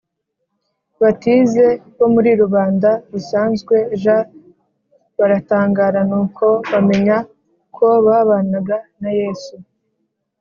batize bo muri rubanda rusanzwe j baratangara Nuko bamenya ko babanaga na Yesu